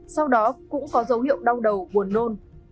sau đó cũng có dấu hiệu đau đầu buồn nôn